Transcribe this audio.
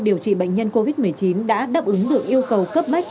điều trị bệnh nhân covid một mươi chín đã đáp ứng được yêu cầu cấp bách